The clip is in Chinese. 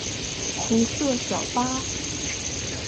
红色小巴